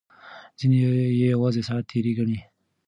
ځینې یې یوازې ساعت تېرۍ ګڼي.